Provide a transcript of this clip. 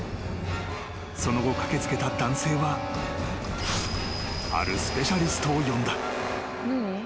［その後駆け付けた男性はあるスペシャリストを呼んだ］